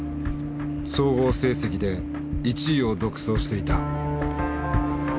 総合成績で１位を独走していた。